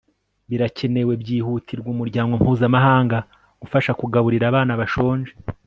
Birakenewe byihutirwa umuryango mpuzamahanga gufasha kugaburira abana bashonje